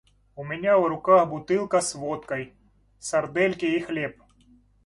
У меня в руках бутылка с водкой, сардельки и хлеб.